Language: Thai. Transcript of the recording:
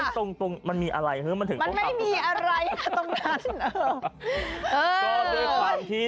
ไอ้ตรงมันมีอะไรมันถึงตรงหลัง